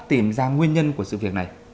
tìm ra nguyên nhân của sự việc này